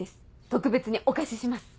特別にお貸しします。